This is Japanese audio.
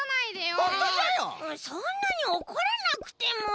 そんなにおこらなくても。